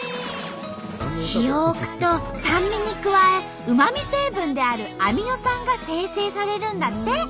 日を置くと酸味に加えうま味成分であるアミノ酸が生成されるんだって。